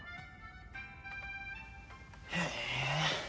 へえ。